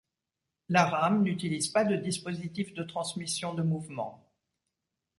La rame n'utilise pas de dispositif de transmission de mouvement.